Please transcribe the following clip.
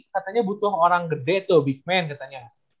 katanya butuh orang gede tuh big man katanya